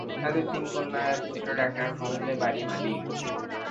তাদের তিন কন্যা ও এক পুত্র ডাক্তার ফজলে বারী মালিক।